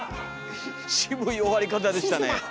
渋い終わり方でしたね